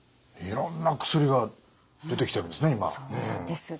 いろんな薬が出てきてるんですね